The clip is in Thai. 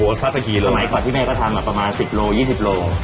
สมัยกว่าที่แม่ก็ทำประมาณ๑๐โล๒๐โล